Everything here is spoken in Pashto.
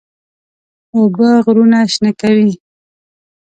اوبه غرونه شنه کوي.